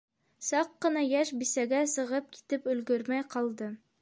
- Саҡ ҡына йәш бисәгә сығып китеп өлгөрмәй ҡалды.